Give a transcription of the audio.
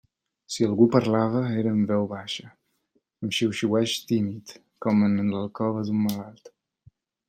Si algú parlava, era en veu baixa, amb xiuxiueig tímid, com en l'alcova d'un malalt.